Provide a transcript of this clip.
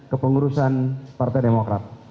kepengurusan partai demokrat